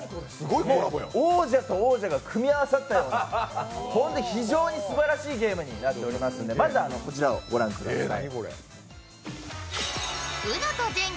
王者と王者が組み合わさった非常にすばらしいゲームになっておりますのでまずはこちらをご覧ください。